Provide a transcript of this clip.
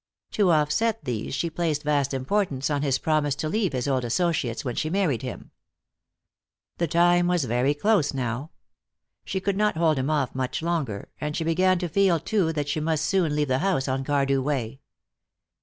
To offset these she placed vast importance on his promise to leave his old associates when she married him. The time was very close now. She could not hold him off much longer, and she began to feel, too, that she must soon leave the house on Cardew Way.